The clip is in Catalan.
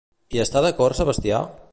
Hi està d'acord Sebastià?